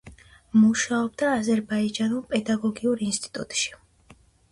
მუშაობდა აზერბაიჯანულ პედაგოგიურ ინსტიტუტში.